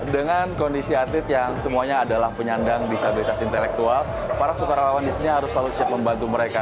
dengan kondisi atlet yang semuanya adalah penyandang disabilitas intelektual para sukarelawan di sini harus selalu siap membantu mereka